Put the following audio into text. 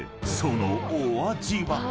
そのお味は？］